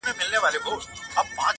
انځور او د خپل شاعرانه الهام